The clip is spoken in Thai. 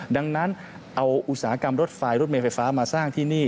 ดังนั้นเอาอุตสาหกรรมรถไฟรถเมลไฟฟ้ามาสร้างที่นี่